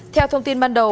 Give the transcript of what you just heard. theo thông tin ban đầu